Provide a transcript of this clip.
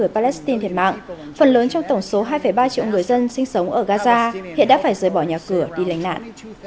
phần lớn trong tổng số hai ba triệu người dân sinh sống ở gaza hiện đã phải rời bỏ nhà cửa đi lãnh nạn